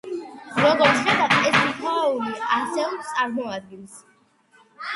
როგორც ხედავთ, ეს თითოეული, ასეულს წარმოადგენს.